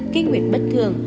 kinh nguyện bất thường